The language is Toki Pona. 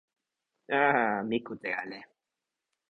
a a a, mi kute ale!